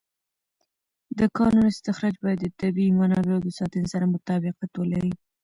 د کانونو استخراج باید د طبیعي منابعو د ساتنې سره مطابقت ولري.